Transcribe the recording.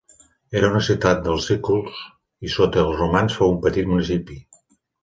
Era una ciutat dels sículs i sota els romans fou un petit municipi.